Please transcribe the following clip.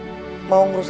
jangan minum semuanya